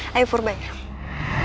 kau jangan tinggalkan shalat ya